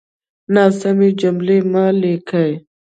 ناسمې جملې مه ليکئ!